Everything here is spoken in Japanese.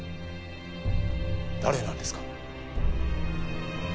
誰なんですか？